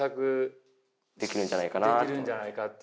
できるんじゃないかなと思って。